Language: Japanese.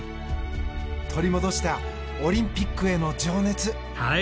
取り戻したオリンピックへの情熱。